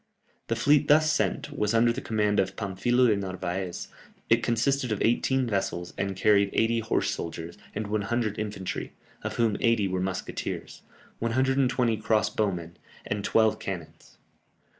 The fleet thus sent was under the command of Pamphilo de Narvaez; it consisted of eighteen vessels, and carried eighty horse soldiers, and 100 infantry (of whom eighty were musketeers), 120 cross bowmen, and twelve cannons.